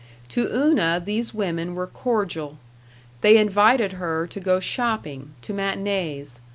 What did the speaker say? To Una these women were cordial. They invited her to go shopping, to matinées.